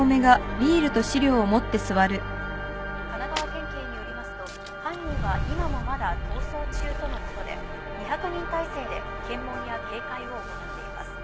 神奈川県警によりますと犯人は今もまだ逃走中とのことで２００人体制で検問や警戒を行っています。